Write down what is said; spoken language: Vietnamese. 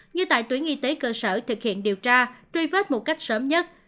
như tại tuyến y tế cơ sở thực hiện điều tra truy vết một cách sớm nhất